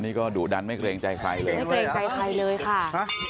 นี่ก็ดูดันไม่เกรงใจใครเลยค่ะ